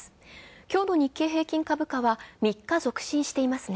きょうの日経平均株価は３日続伸していますね。